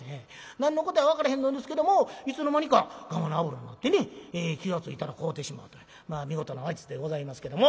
何のことや分からへんのんですけどもいつの間にかがまの油だってね気が付いたら買うてしもうというまあ見事な話術でございますけども。